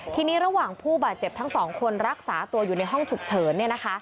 ทีนี้ระหว่างผู้บาดเจ็บทั้งสองคนรักษาตัวอยู่ในห้องฉุกเฉิน